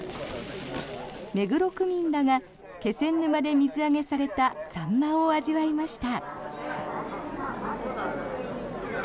目黒区民らが気仙沼で水揚げされたサンマを味わいました。